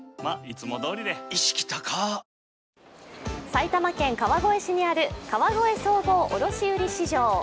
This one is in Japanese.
埼玉県川越市にある川越総合卸売市場。